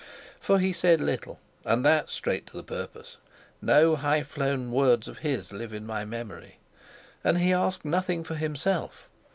For he said little, and that straight to the purpose; no high flown words of his live in my memory. And he asked nothing for himself.